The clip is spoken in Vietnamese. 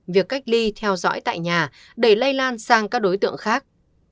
việc cách ly theo dõi tại nhà để lây lan sang các đối tượng khác